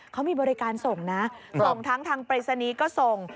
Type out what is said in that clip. เขามีบริการส่งนะส่งทั้งทางปริศนีย์ก็ส่ง